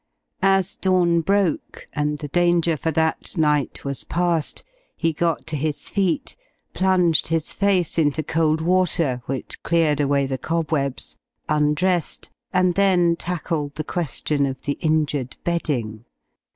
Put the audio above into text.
As dawn broke, and the danger for that night was past, he got to his feet, plunged his face into cold water, which cleared away the cobwebs, undressed, and then tackled the question of the injured bedding.